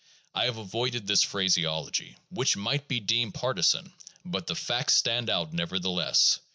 I have avoided this phraseology, which might be deemed partisan ; but the facts stand out nevertheless.